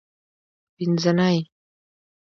پینځنۍ